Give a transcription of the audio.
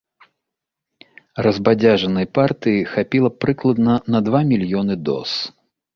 Разбадзяжанай партыі хапіла б прыкладна на два мільёны доз.